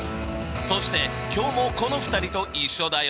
そして今日もこの２人と一緒だよ。